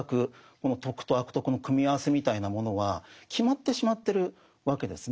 この「徳」と「悪徳」の組み合わせみたいなものは決まってしまってるわけですね。